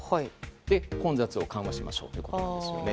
で、混雑を緩和しましょうということなんですね。